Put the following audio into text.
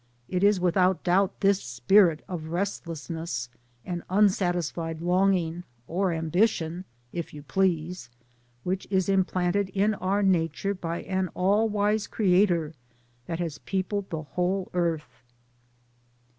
It is, without doubt, this spirit of rest lessness, and unsatisfied longing, or ambi tion — if you please — which is implanted in our nature by an all wise Creator that has peopled the whole earth.